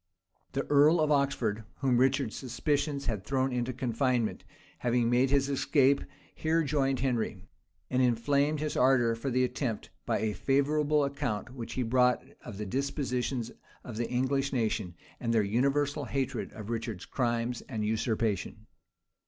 The earl of Oxford, whom Richard's suspicions had thrown into confinement, having made his escape, here joined Henry; and inflamed his ardor for the attempt, by a favorable account which he brought of the dispositions of the English nation, and their universal hatred of Richard's crimes and usurpation.